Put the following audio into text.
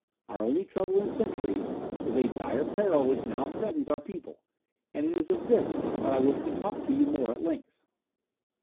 Our only trouble in centuries is a dire peril which now threatens our people, and it is of this that I wish to talk to you more at length."